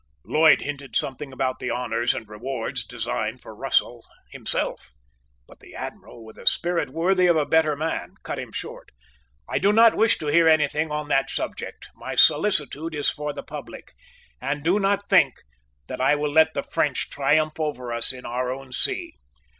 Lloyd hinted something about the honours and rewards designed for Russell himself. But the Admiral, with a spirit worthy of a better man, cut him short. "I do not wish to hear anything on that subject. My solicitude is for the public. And do not think that I will let the French triumph over us in our own sea.